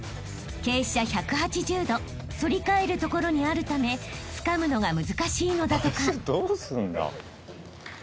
［傾斜１８０度反り返るところにあるためつかむのが難しいのだとか］